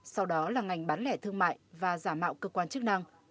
sau đó là ngành bán lẻ thương mại và giả mạo cơ quan chức năng